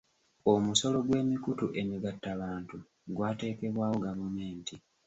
Omusolo gw'emikutu emigattabantu gwateekebwawo gavumenti.